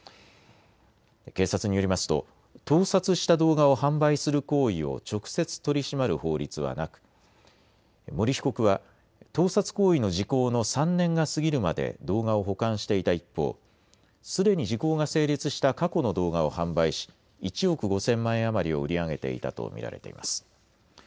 警察によりますと盗撮した動画を販売する行為を直接取り締まる法律はなく森被告は盗撮行為の時効の３年が過ぎるまで動画を保管していた一方、すでに時効が成立した過去の動画を販売し１億５０００万円余りを売り上げていたと見られています。